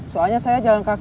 soalnya saya juga pengen makan